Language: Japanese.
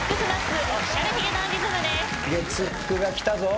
月９がきたぞ。